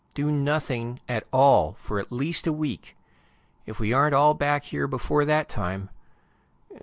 Do nothing at all for at least a week. If we aren't all back here before that time